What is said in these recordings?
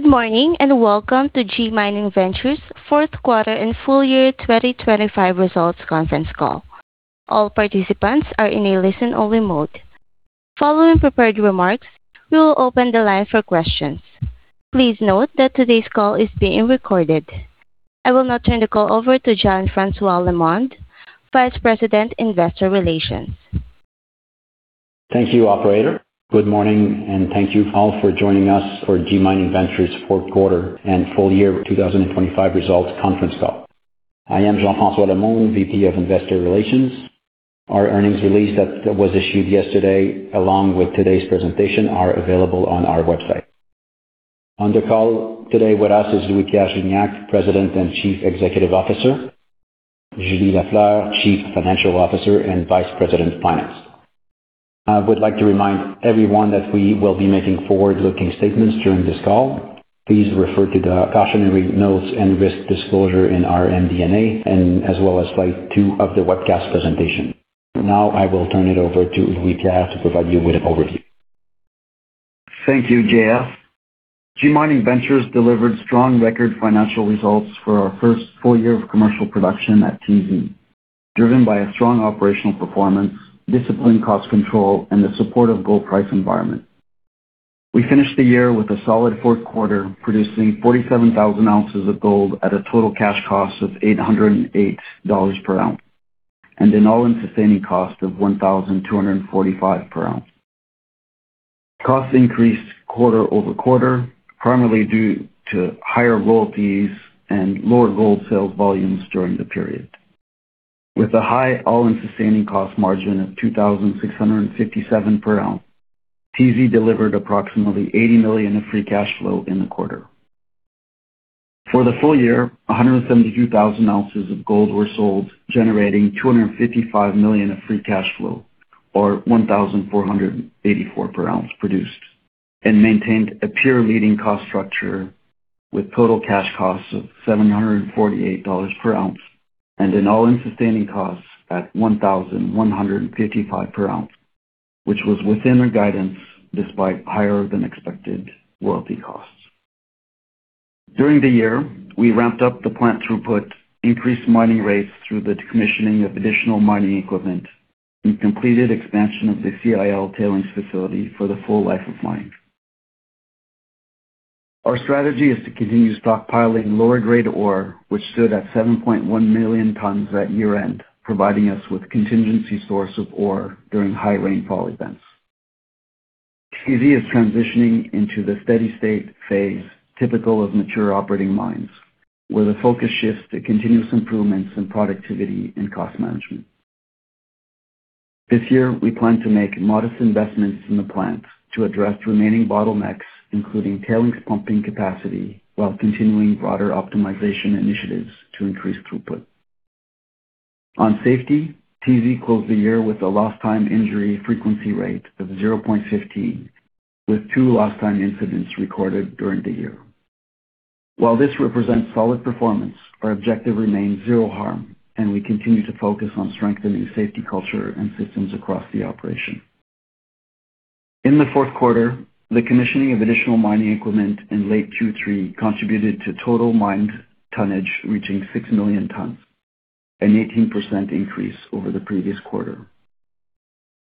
Good morning, and welcome to G Mining Ventures Fourth Quarter and Full Year 2025 Results Conference Call. All participants are in a listen-only mode. Following prepared remarks, we will open the line for questions. Please note that today's call is being recorded. I will now turn the call over to Jean-François Lemonde, Vice President, Investor Relations. Thank you, operator. Good morning, and thank you all for joining us for G Mining Ventures Fourth Quarter and Full Year 2025 Results Conference Call. I am Jean-François Lemonde, VP of Investor Relations. Our earnings release that was issued yesterday, along with today's presentation, are available on our website. On the call today with us is Louis-Pierre Gignac, President and Chief Executive Officer. Julie Lafleur, Chief Financial Officer and Vice President, Finance. I would like to remind everyone that we will be making forward-looking statements during this call. Please refer to the cautionary notes and risk disclosure in our MD&A and as well as slide two of the webcast presentation. Now I will turn it over to Louis-Pierre to provide you with an overview. Thank you, JF. G Mining Ventures delivered strong record financial results for our first full year of commercial production at TZ, driven by a strong operational performance, disciplined cost control, and the supportive gold price environment. We finished the year with a solid fourth quarter, producing 47,000 ounces of gold at a total cash cost of $808 per ounce and an all-in sustaining cost of $1,245 per ounce. Costs increased quarter-over-quarter, primarily due to higher royalties and lower gold sales volumes during the period. With a high all-in sustaining cost margin of $2,657 per ounce, TZ delivered approximately $80 million of free cash flow in the quarter. For the full year, 172,000 ounces of gold were sold, generating $255 million of free cash flow or $1,484 per ounce produced, and maintained a peer leading cost structure with total cash costs of $748 per ounce and an all-in sustaining costs at $1,155 per ounce, which was within our guidance despite higher than expected royalty costs. During the year, we ramped up the plant throughput, increased mining rates through the decommissioning of additional mining equipment, and completed expansion of the CIL tailings facility for the full life of mine. Our strategy is to continue stockpiling lower grade ore, which stood at 7.1 million tons at year-end, providing us with contingency source of ore during high rainfall events. TZ is transitioning into the steady state phase typical of mature operating mines, where the focus shifts to continuous improvements in productivity and cost management. This year, we plan to make modest investments in the plant to address remaining bottlenecks, including tailings pumping capacity, while continuing broader optimization initiatives to increase throughput. On safety, TZ closed the year with a lost time injury frequency rate of 0.15, with two lost time incidents recorded during the year. While this represents solid performance, our objective remains zero harm, and we continue to focus on strengthening safety culture and systems across the operation. In the fourth quarter, the commissioning of additional mining equipment in late Q3 contributed to total mined tonnage reaching six million tons, an 18% increase over the previous quarter.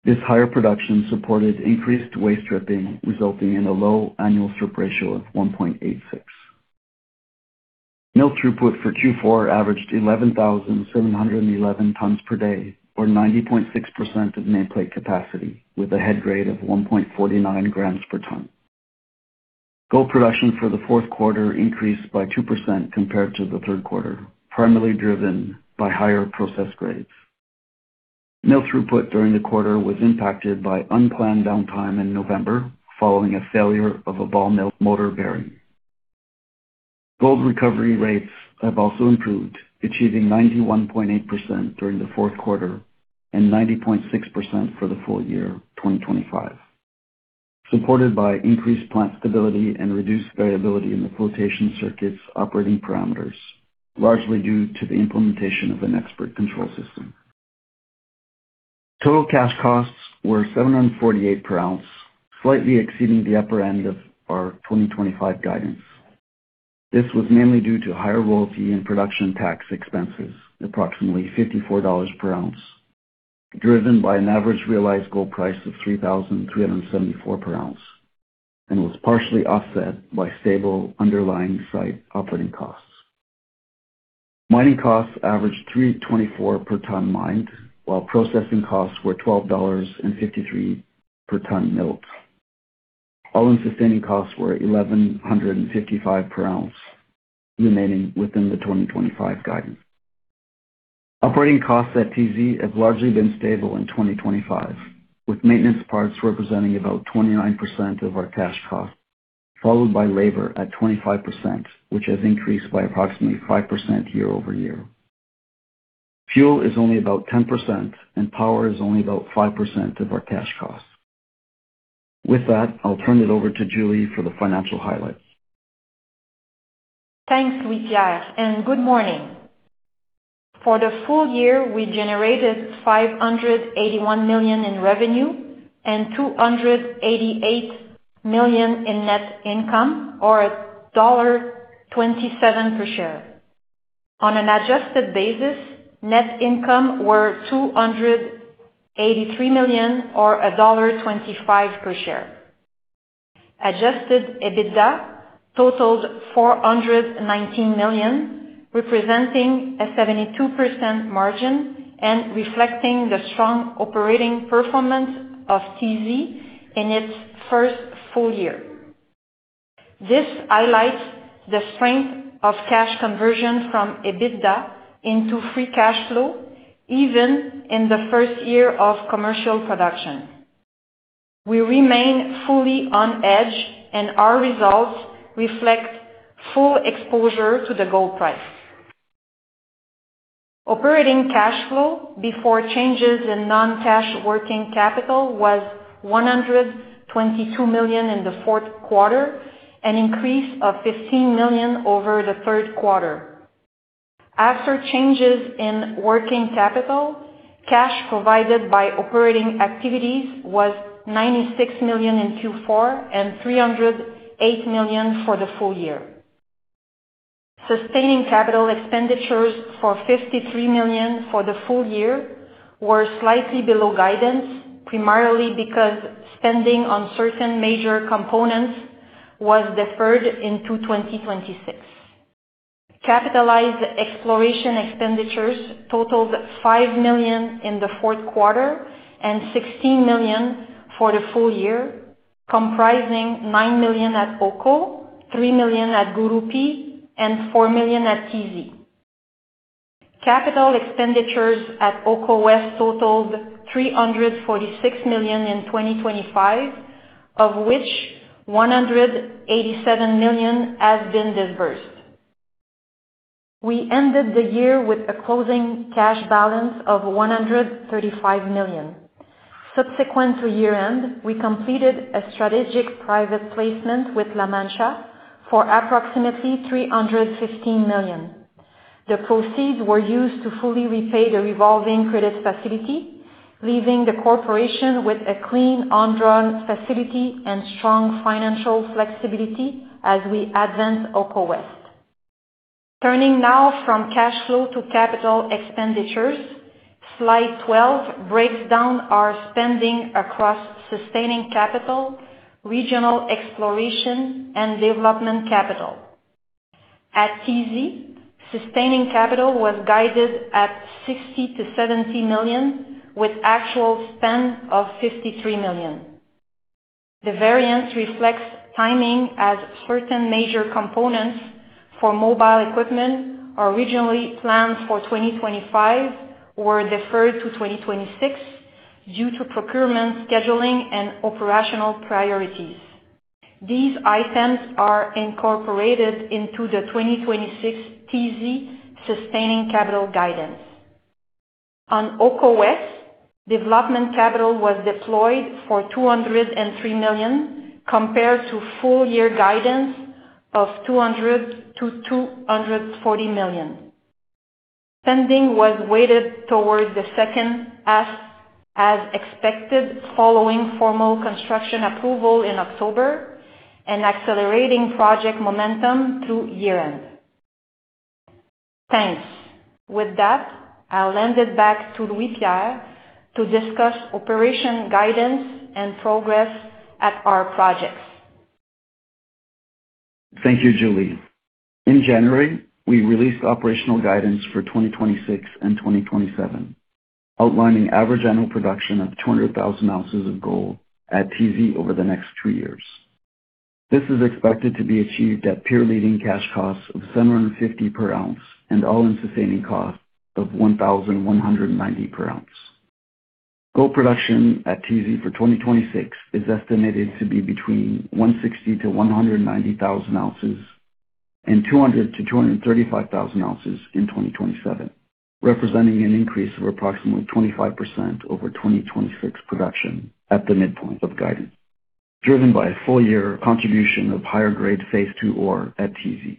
This higher production supported increased waste stripping, resulting in a low annual strip ratio of 1.86. Mill throughput for Q4 averaged 11,711 tons per day, or 90.6% of nameplate capacity, with a head grade of 1.49 grams per ton. Gold production for the fourth quarter increased by 2% compared to the third quarter, primarily driven by higher process grades. Mill throughput during the quarter was impacted by unplanned downtime in November following a failure of a ball mill motor bearing. Gold recovery rates have also improved, achieving 91.8% during the fourth quarter and 90.6% for the full year 2025, supported by increased plant stability and reduced variability in the flotation circuit's operating parameters, largely due to the implementation of an expert control system. Total cash costs were $748 per ounce, slightly exceeding the upper end of our 2025 guidance. This was mainly due to higher royalty and production tax expenses, approximately $54 per ounce, driven by an average realized gold price of $3,374 per ounce, and was partially offset by stable underlying site operating costs. Mining costs averaged $324 per ton mined, while processing costs were $12.53 per ton milled. All-in sustaining costs were $1,155 per ounce, remaining within the 2025 guidance. Operating costs at TZ have largely been stable in 2025, with maintenance parts representing about 29% of our cash costs, followed by labor at 25%, which has increased by approximately 5% year-over-year. Fuel is only about 10%, and power is only about 5% of our cash costs. With that, I'll turn it over to Julie for the financial highlights. Thanks, Louis-Pierre, and good morning. For the full year, we generated $581 million in revenue and $288 million in net income, or $1.27 per share. On an adjusted basis, net income were $283 million or $1.25 per share. Adjusted EBITDA totaled $419 million, representing a 72% margin and reflecting the strong operating performance of TZ in its first full year. This highlights the strength of cash conversion from EBITDA into free cash flow, even in the first year of commercial production. We remain fully unhedged and our results reflect full exposure to the gold price. Operating cash flow before changes in non-cash working capital was $122 million in the fourth quarter, an increase of $15 million over the third quarter. After changes in working capital, cash provided by operating activities was $96 million in Q4 and $308 million for the full year. Sustaining capital expenditures for $53 million for the full year were slightly below guidance, primarily because spending on certain major components was deferred into 2026. Capitalized exploration expenditures totaled $5 million in the fourth quarter and $16 million for the full year, comprising $9 million at Oko, $3 million at Gurupi, and $4 million at TZ. Capital expenditures at Oko West totaled $346 million in 2025, of which $187 million has been disbursed. We ended the year with a closing cash balance of $135 million. Subsequent to year-end, we completed a strategic private placement with La Mancha for approximately $315 million. The proceeds were used to fully repay the revolving credit facility, leaving the corporation with a clean undrawn facility and strong financial flexibility as we advance Oko West. Turning now from cash flow to capital expenditures, slide 12 breaks down our spending across sustaining capital, regional exploration, and development capital. At TZ, sustaining capital was guided at $60 million-$70 million, with actual spend of $53 million. The variance reflects timing as certain major components for mobile equipment originally planned for 2025 were deferred to 2026 due to procurement, scheduling, and operational priorities. These items are incorporated into the 2026 TZ sustaining capital guidance. On Oko West, development capital was deployed for $203 million compared to full year guidance of $200 million-$240 million. Spending was weighted towards the second half as expected following formal construction approval in October and accelerating project momentum through year-end. Thanks. With that, I'll hand it back to Louis-Pierre to discuss operational guidance and progress at our projects. Thank you, Julie. In January, we released operational guidance for 2026 and 2027, outlining average annual production of 200,000 ounces of gold at TZ over the next two years. This is expected to be achieved at peer-leading cash costs of $750 per ounce and all-in sustaining costs of $1,190 per ounce. Gold production at TZ for 2026 is estimated to be between 160,000 ounces-190,000 ounces and 200,000 ounces-235,000 ounces in 2027, representing an increase of approximately 25% over 2026 production at the midpoint of guidance, driven by a full year contribution of higher grade Phase 2 ore at TZ.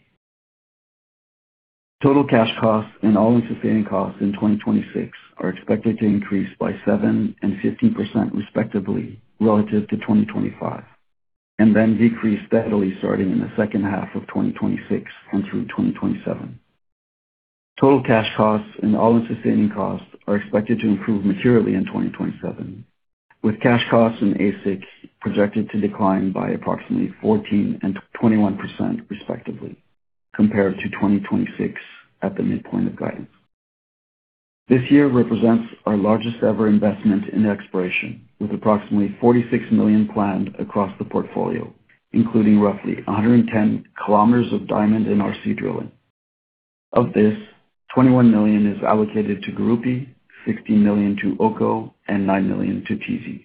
Total cash costs and all-in sustaining costs in 2026 are expected to increase by 7% and 15% respectively relative to 2025, and then decrease steadily starting in the second half of 2026 and through 2027. Total cash costs and all-in sustaining costs are expected to improve materially in 2027, with cash costs and AISC projected to decline by approximately 14% and 21% respectively, compared to 2026 at the midpoint of guidance. This year represents our largest ever investment in exploration, with approximately $46 million planned across the portfolio, including roughly 110 km of diamond and RC drilling. Of this, $21 million is allocated to Gurupi, $16 million to Oko, and $9 million to TZ.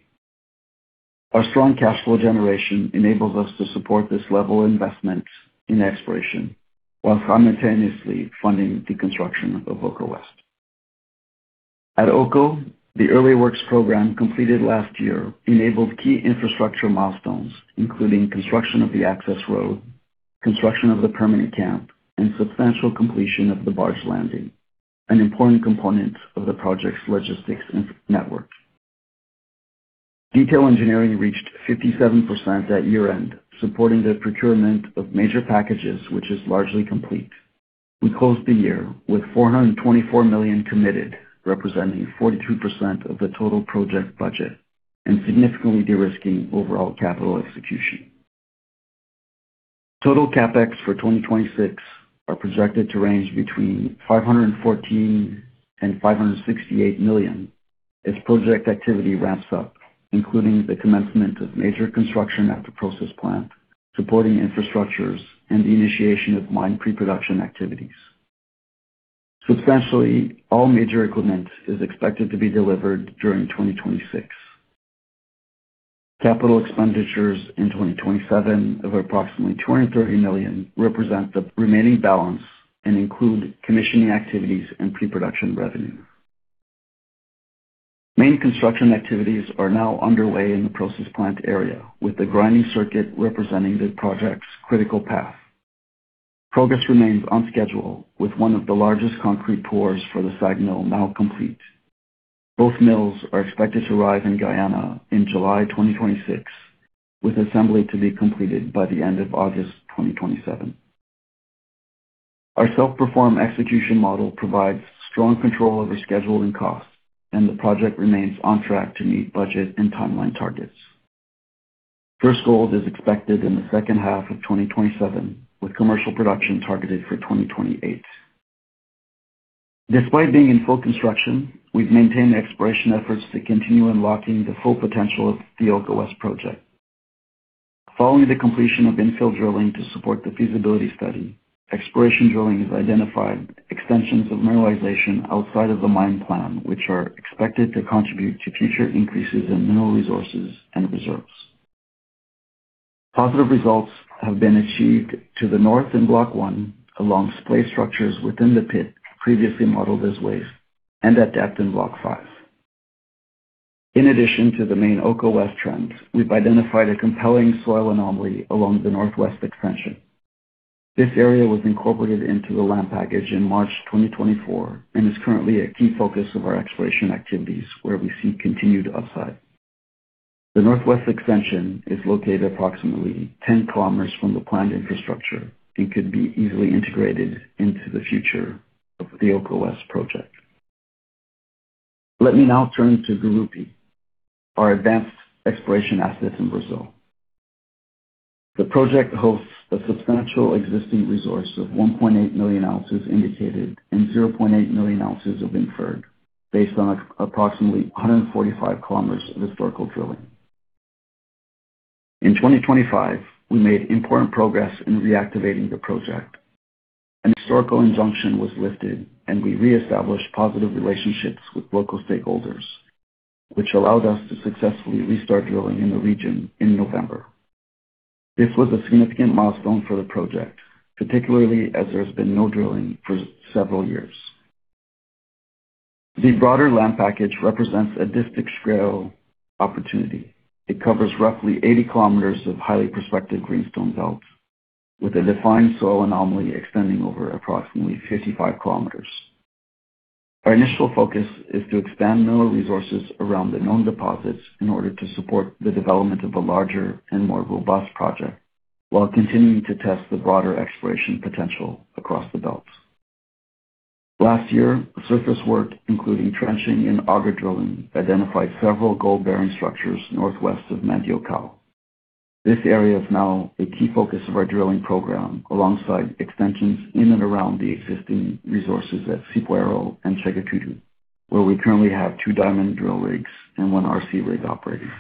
Our strong cash flow generation enables us to support this level of investment in exploration while simultaneously funding the construction of Oko West. At Oko, the early works program completed last year enabled key infrastructure milestones, including construction of the access road, construction of the permanent camp, and substantial completion of the barge landing, an important component of the project's logistics network. Detailed engineering reached 57% at year-end, supporting the procurement of major packages, which is largely complete. We closed the year with $424 million committed, representing 42% of the total project budget and significantly de-risking overall capital execution. Total CapEx for 2026 are projected to range between $514 million and $568 million as project activity ramps up, including the commencement of major construction at the process plant, supporting infrastructures, and the initiation of mine pre-production activities. Substantially, all major equipment is expected to be delivered during 2026. Capital expenditures in 2027 of approximately $230 million represent the remaining balance and include commissioning activities and pre-production revenue. Main construction activities are now underway in the process plant area, with the grinding circuit representing the project's critical path. Progress remains on schedule, with one of the largest concrete pours for the SAG mill now complete. Both mills are expected to arrive in Guyana in July 2026, with assembly to be completed by the end of August 2027. Our self-perform execution model provides strong control over schedule and cost, and the project remains on track to meet budget and timeline targets. First gold is expected in the second half of 2027, with commercial production targeted for 2028. Despite being in full construction, we've maintained exploration efforts to continue unlocking the full potential of the Oko West project. Following the completion of infill drilling to support the feasibility study, exploration drilling has identified extensions of mineralization outside of the mine plan, which are expected to contribute to future increases in mineral resources and reserves. Positive results have been achieved to the north in block one, along splay structures within the pit previously modeled as waste, and at depth in block five. In addition to the main Oko West trends, we've identified a compelling soil anomaly along the northwest extension. This area was incorporated into the land package in March 2024 and is currently a key focus of our exploration activities, where we see continued upside. The northwest extension is located approximately 10 km from the planned infrastructure and could be easily integrated into the future of the Oko West project. Let me now turn to Gurupi, our advanced exploration asset in Brazil. The project hosts a substantial existing resource of 1.8 million ounces indicated and 0.8 million ounces inferred based on approximately 145 km of historical drilling. In 2025, we made important progress in reactivating the project. An historical injunction was lifted, and we re-established positive relationships with local stakeholders, which allowed us to successfully restart drilling in the region in November. This was a significant milestone for the project, particularly as there's been no drilling for several years. The broader land package represents a district scale opportunity. It covers roughly 80 km of highly prospective greenstone belts with a defined soil anomaly extending over approximately 55 km. Our initial focus is to expand mineral resources around the known deposits in order to support the development of a larger and more robust project while continuing to test the broader exploration potential across the belts. Last year, surface work, including trenching and auger drilling, identified several gold-bearing structures northwest of Mandioca. This area is now a key focus of our drilling program, alongside extensions in and around the existing resources at Sepuaro and Segotutu, where we currently have two diamond drill rigs and one RC rig operating.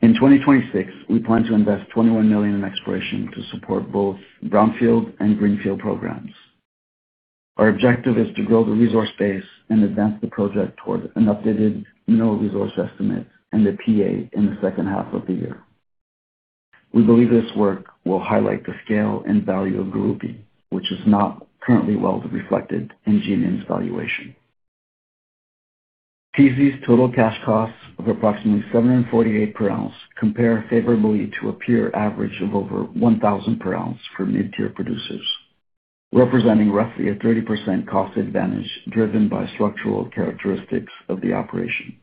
In 2026, we plan to invest $21 million in exploration to support both brownfield and greenfield programs. Our objective is to grow the resource base and advance the project toward an updated mineral resource estimate and the PEA in the second half of the year. We believe this work will highlight the scale and value of Gurupi, which is not currently well reflected in GMIN's valuation. TZ's total cash costs of approximately 748 per ounce compare favorably to a peer average of over 1,000 per ounce for mid-tier producers, representing roughly a 30% cost advantage driven by structural characteristics of the operation.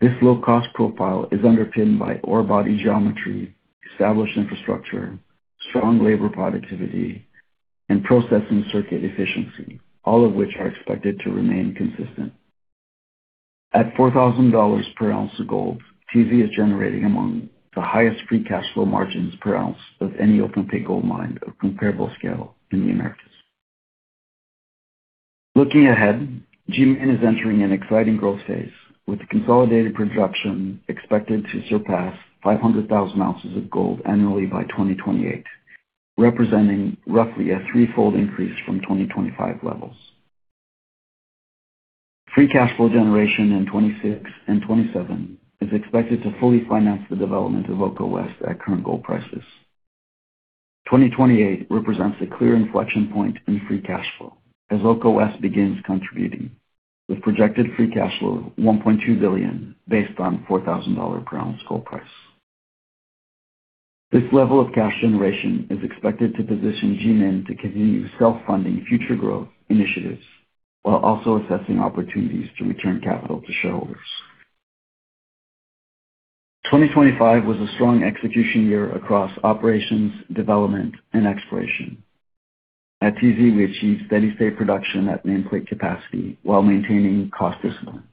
This low-cost profile is underpinned by ore body geometry, established infrastructure, strong labor productivity, and processing circuit efficiency, all of which are expected to remain consistent. At $4,000 per ounce of gold, TZ is generating among the highest free cash flow margins per ounce of any open pit gold mine of comparable scale in the Americas. Looking ahead, GMIN is entering an exciting growth phase, with consolidated production expected to surpass 500,000 ounces of gold annually by 2028, representing roughly a threefold increase from 2025 levels. Free cash flow generation in 2026 and 2027 is expected to fully finance the development of Oko West at current gold prices. 2028 represents a clear inflection point in free cash flow as Oko West begins contributing, with projected free cash flow $1.2 billion based on $4,000 per ounce gold price. This level of cash generation is expected to position GMIN to continue self-funding future growth initiatives while also assessing opportunities to return capital to shareholders. 2025 was a strong execution year across operations, development and exploration. At TZ, we achieved steady state production at nameplate capacity while maintaining cost discipline.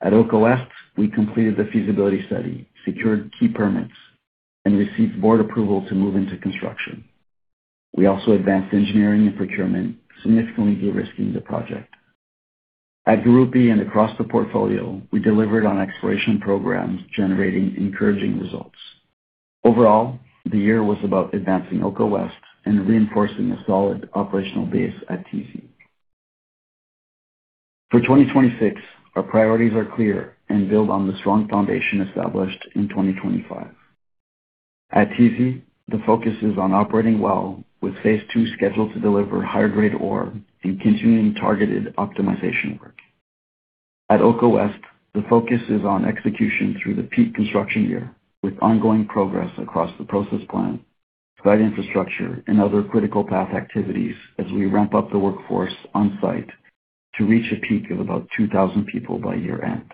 At Oko West, we completed the feasibility study, secured key permits, and received board approval to move into construction. We also advanced engineering and procurement, significantly de-risking the project. At Gurupi and across the portfolio, we delivered on exploration programs, generating encouraging results. Overall, the year was about advancing Oko West and reinforcing a solid operational base at TZ. For 2026, our priorities are clear and build on the strong foundation established in 2025. At TZ, the focus is on operating well with phase two scheduled to deliver higher grade ore and continuing targeted optimization work. At Oko West, the focus is on execution through the peak construction year, with ongoing progress across the process plant, site infrastructure, and other critical path activities as we ramp up the workforce on site to reach a peak of about 2,000 people by year end.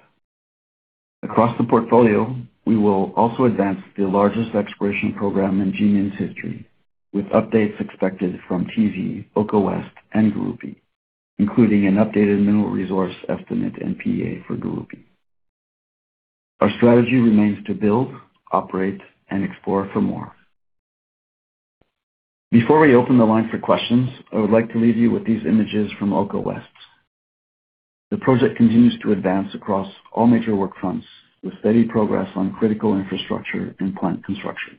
Across the portfolio, we will also advance the largest exploration program in GMIN's history, with updates expected from TZ, Oko West and Gurupi, including an updated mineral resource estimate NPA for Gurupi. Our strategy remains to build, operate, and explore for more. Before we open the line for questions, I would like to leave you with these images from Oko West. The project continues to advance across all major work fronts, with steady progress on critical infrastructure and plant construction.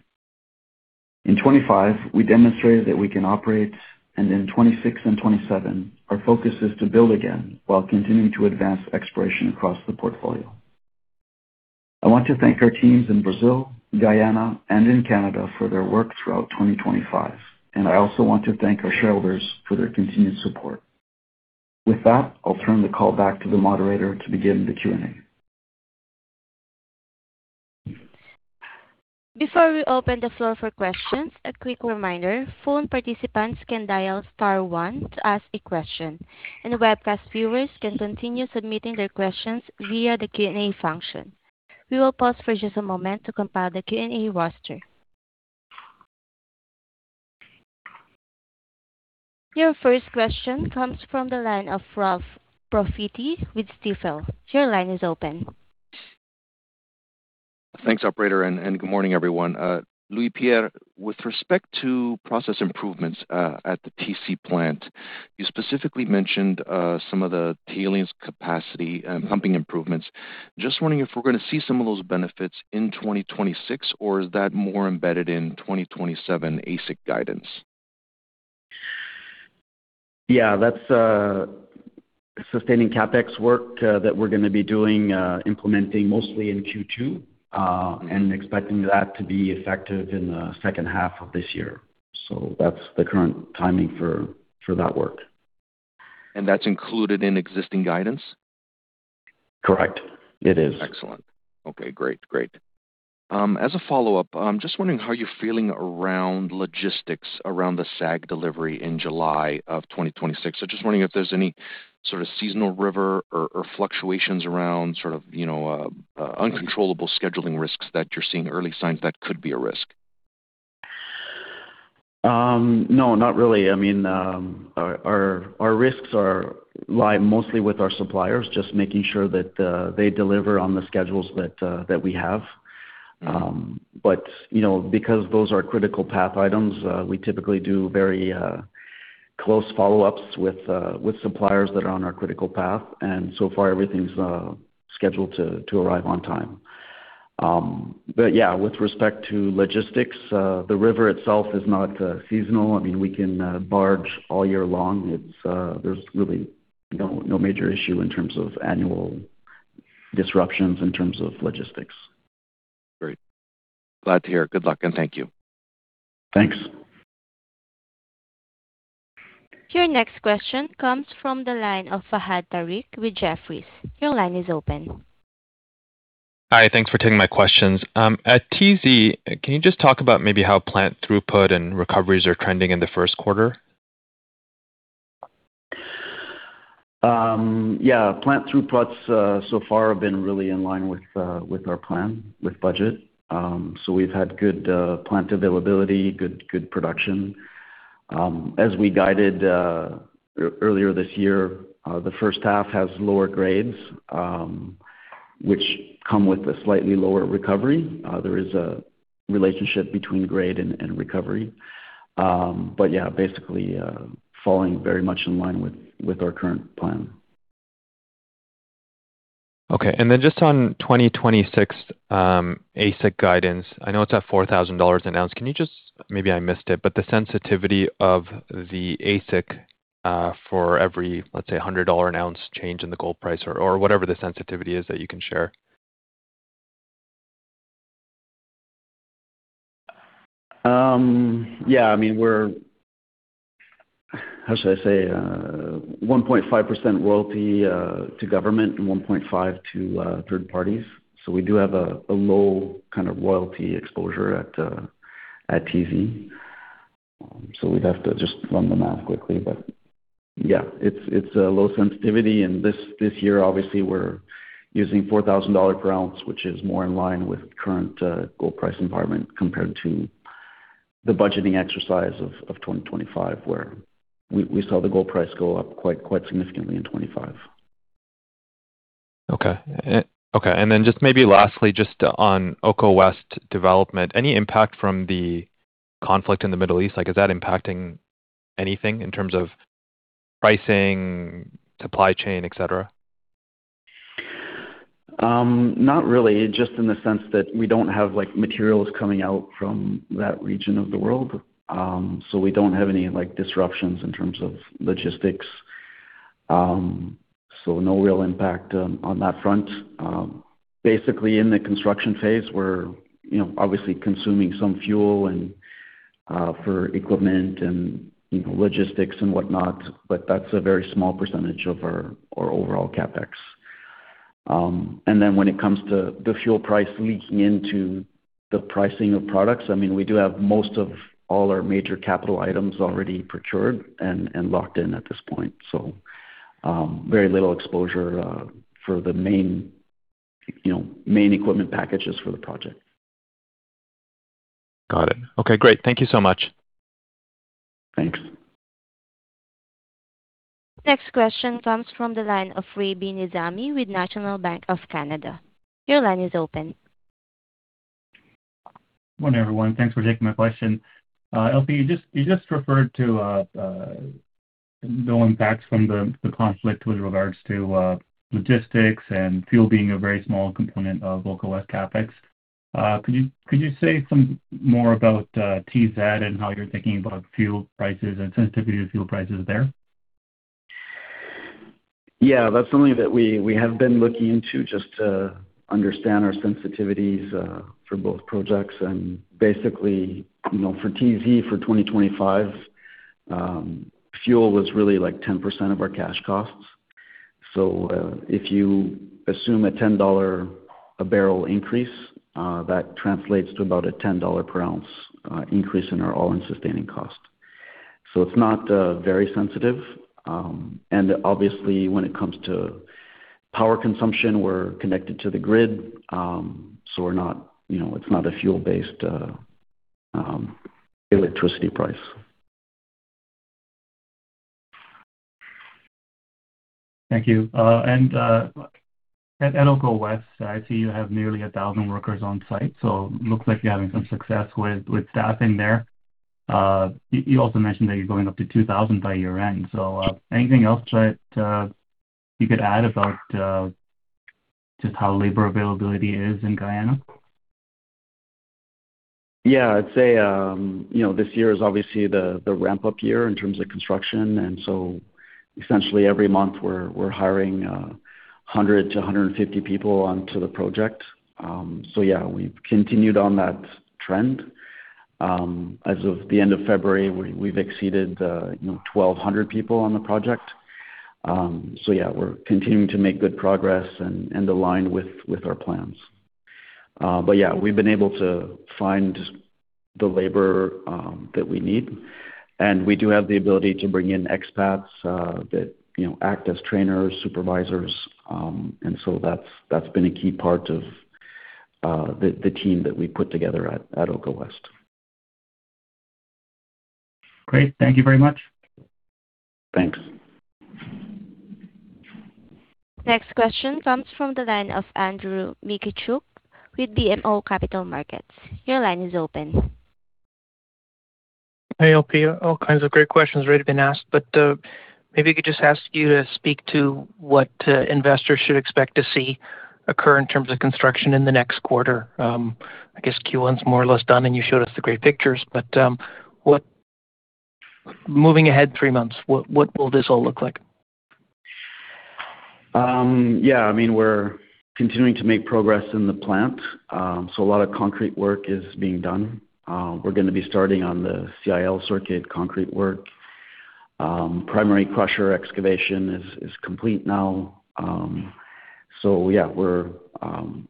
In 2025, we demonstrated that we can operate, and in 2026 and 2027, our focus is to build again while continuing to advance exploration across the portfolio. I want to thank our teams in Brazil, Guyana and in Canada for their work throughout 2025, and I also want to thank our shareholders for their continued support. With that, I'll turn the call back to the moderator to begin the Q&A. Before we open the floor for questions, a quick reminder. Phone participants can dial star one to ask a question, and webcast viewers can continue submitting their questions via the Q&A function. We will pause for just a moment to compile the Q&A roster. Your first question comes from the line of Ralph Profiti with Stifel. Your line is open. Thanks, operator, and good morning, everyone. Louis-Pierre, with respect to process improvements at the TZ plant, you specifically mentioned some of the tailings capacity and pumping improvements. Just wondering if we're gonna see some of those benefits in 2026, or is that more embedded in 2027 AISC guidance? Yeah, that's sustaining CapEx work that we're gonna be doing, implementing mostly in Q2, and expecting that to be effective in the second half of this year. That's the current timing for that work. That's included in existing guidance? Correct. It is. Excellent. Okay, great. Great. As a follow-up, I'm just wondering how you're feeling around logistics around the SAG delivery in July 2026. Just wondering if there's any sort of seasonal river or fluctuations around sort of, you know, uncontrollable scheduling risks that you're seeing early signs that could be a risk. No, not really. I mean, our risks lie mostly with our suppliers, just making sure that they deliver on the schedules that we have. You know, because those are critical path items, we typically do very close follow-ups with suppliers that are on our critical path. So far, everything's scheduled to arrive on time. Yeah, with respect to logistics, the river itself is not seasonal. I mean, we can barge all year long. It's, there's really no major issue in terms of annual disruptions in terms of logistics. Great. Glad to hear. Good luck, and thank you. Thanks. Your next question comes from the line of Fahad Tariq with Jefferies. Your line is open. Hi. Thanks for taking my questions. At TZ, can you just talk about maybe how plant throughput and recoveries are trending in the first quarter? Yeah. Plant throughputs so far have been really in line with our plan, with budget. We've had good plant availability, good production. As we guided earlier this year, the first half has lower grades, which come with a slightly lower recovery. There is a relationship between grade and recovery. Yeah, basically, falling very much in line with our current plan. Okay. Just on 2026, AISC guidance, I know it's at $4,000 an ounce. Maybe I missed it, but the sensitivity of the AISC for every, let's say, $100 an ounce change in the gold price or whatever the sensitivity is that you can share. Yeah, I mean, we're, how should I say, 1.5% royalty to government and 1.5% to third parties. We do have a low kind of royalty exposure at TZ. We'd have to just run the math quickly. Yeah, it's a low sensitivity. This year, obviously we're using $4,000 per ounce, which is more in line with current gold price environment compared to the budgeting exercise of 2025, where we saw the gold price go up quite significantly in 2025. Just maybe lastly, just on Oko West development, any impact from the conflict in the Middle East? Like, is that impacting anything in terms of pricing, supply chain, et cetera? Not really. Just in the sense that we don't have, like, materials coming out from that region of the world. So we don't have any, like, disruptions in terms of logistics. So no real impact on that front. Basically in the construction phase, we're, you know, obviously consuming some fuel and for equipment and, you know, logistics and whatnot, but that's a very small percentage of our overall CapEx. And then when it comes to the fuel price leaking into the pricing of products, I mean, we do have most of all our major capital items already procured and locked in at this point. So very little exposure for the main equipment packages for the project. Got it. Okay, great. Thank you so much. Thanks. Next question comes from the line of Rabi Nizami with National Bank of Canada. Your line is open. Morning, everyone. Thanks for taking my question. LP, you just referred to no impacts from the conflict with regards to logistics and fuel being a very small component of Oko West CapEx. Could you say some more about TZ and how you're thinking about fuel prices and sensitivity to fuel prices there? Yeah, that's something that we have been looking into just to understand our sensitivities for both projects. Basically, you know, for TZ for 2025, fuel was really like 10% of our cash costs. If you assume a $10 a barrel increase, that translates to about a $10 per ounce increase in our all-in sustaining cost. It's not very sensitive. Obviously when it comes to power consumption, we're connected to the grid, so we're not, you know, it's not a fuel-based electricity price. Thank you. At Oko West, I see you have nearly 1,000 workers on site, so looks like you're having some success with staffing there. You also mentioned that you're going up to 2,000 by year-end, so anything else that you could add about just how labor availability is in Guyana? Yeah. I'd say, you know, this year is obviously the ramp-up year in terms of construction, and so essentially every month we're hiring 100-150 people onto the project. Yeah, we've continued on that trend. As of the end of February, we've exceeded, you know, 1,200 people on the project. Yeah, we're continuing to make good progress and aligned with our plans. Yeah, we've been able to find the labor that we need. We do have the ability to bring in expats that you know act as trainers, supervisors. That's been a key part of the team that we put together at Oko West. Great. Thank you very much. Thanks. Next question comes from the line of Andrew Mikitchook with BMO Capital Markets. Your line is open. Hey, LP. All kinds of great questions already been asked, but maybe I could just ask you to speak to what investors should expect to see occur in terms of construction in the next quarter. I guess Q1 is more or less done, and you showed us the great pictures, but moving ahead three months, what will this all look like? Yeah, I mean, we're continuing to make progress in the plant. A lot of concrete work is being done. We're gonna be starting on the CIL circuit concrete work. Primary crusher excavation is complete now. Yeah, we're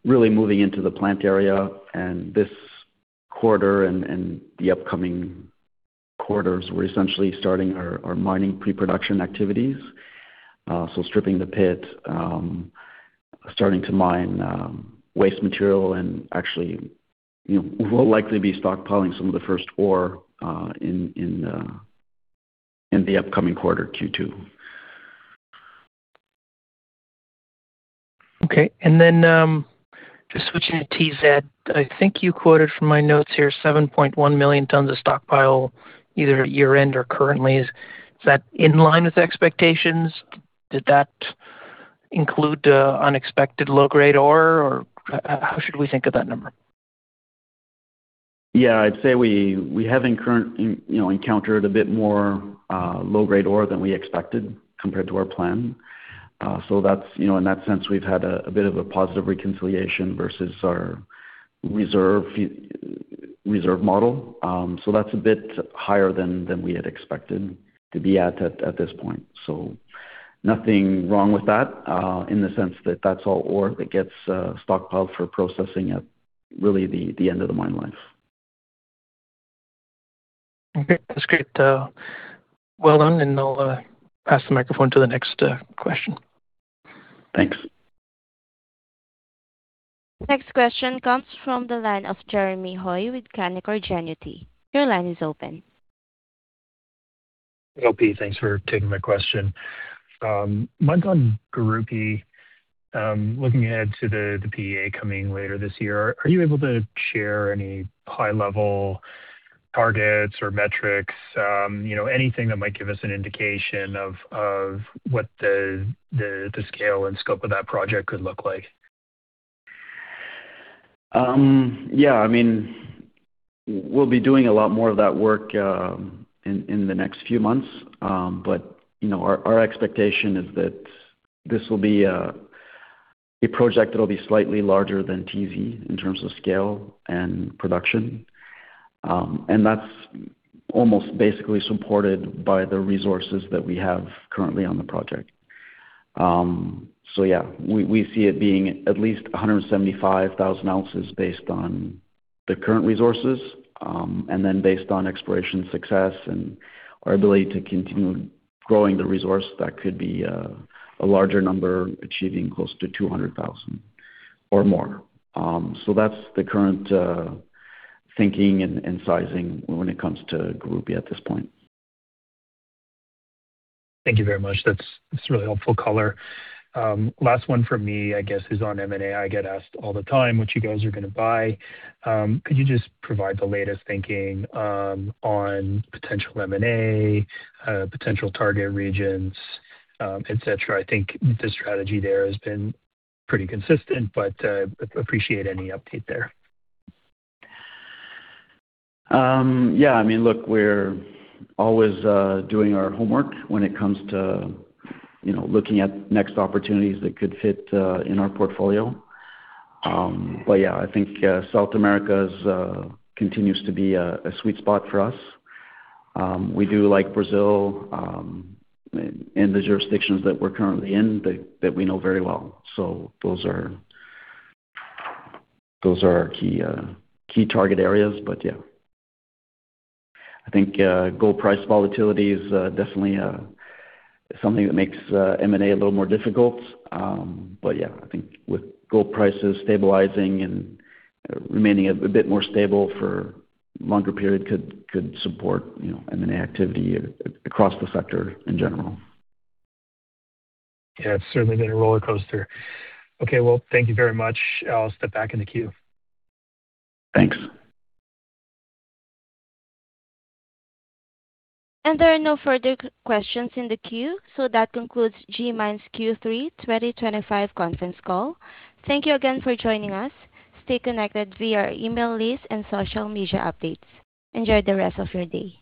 really moving into the plant area. This quarter and the upcoming quarters, we're essentially starting our mining pre-production activities. Stripping the pit, starting to mine waste material and actually, you know, we'll likely be stockpiling some of the first ore in the upcoming quarter, Q2. Okay. Just switching to TZ, I think you quoted from my notes here, 7.1 million tons of stockpile either at year-end or currently. Is that in line with expectations? Did that include unexpected low-grade ore? Or how should we think of that number? I'd say we have encountered a bit more low-grade ore than we expected compared to our plan. That's, you know, in that sense, we've had a bit of a positive reconciliation versus our reserve model. That's a bit higher than we had expected to be at this point. Nothing wrong with that, in the sense that that's all ore that gets stockpiled for processing at really the end of the mine life. Okay. That's great. Well done, and I'll pass the microphone to the next question. Thanks. Next question comes from the line of Jeremy Hoy with Canaccord Genuity. Your line is open. LP thanks for taking my question. One on Gurupi. Looking ahead to the PEA coming later this year, are you able to share any high level targets or metrics, anything that might give us an indication of what the scale and scope of that project could look like? Yeah. I mean, we'll be doing a lot more of that work in the next few months. You know, our expectation is that this will be a project that'll be slightly larger than TZ in terms of scale and production. That's almost basically supported by the resources that we have currently on the project. Yeah, we see it being at least 175,000 ounces based on the current resources. Based on exploration success and our ability to continue growing the resource, that could be a larger number achieving close to 200,000 ounces or more. That's the current thinking and sizing when it comes to Gurupi at this point. Thank you very much. That's a really helpful color. Last one for me, I guess is on M&A. I get asked all the time what you guys are gonna buy. Could you just provide the latest thinking on potential M&A, potential target regions, et cetera? I think the strategy there has been pretty consistent, but appreciate any update there. Yeah, I mean, look, we're always doing our homework when it comes to, you know, looking at next opportunities that could fit in our portfolio. Yeah, I think South America continues to be a sweet spot for us. We do like Brazil, and the jurisdictions that we're currently in that we know very well. Those are our key target areas. Yeah. I think gold price volatility is definitely something that makes M&A a little more difficult. Yeah, I think with gold prices stabilizing and remaining a bit more stable for longer period could support, you know, M&A activity across the sector in general. Yeah, it's certainly been a rollercoaster. Okay, well, thank you very much. I'll step back in the queue. Thanks. There are no further questions in the queue, so that concludes GMIN's Q3 2025 Conference Call. Thank you again for joining us. Stay connected via our email list and social media updates. Enjoy the rest of your day.